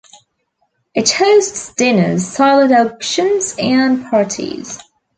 It hosts dinners, silent auctions and parties.